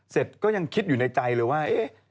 เสร็จก็ยังคิดอยู่ในใจเลยว่า